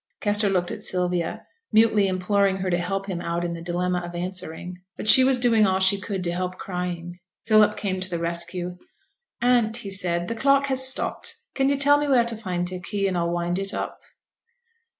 Kester looked at Sylvia, mutely imploring her to help him out in the dilemma of answering, but she was doing all she could to help crying. Philip came to the rescue. 'Aunt,' said he, 'the clock has stopped; can you tell me where t' find t' key, and I'll wind it up.'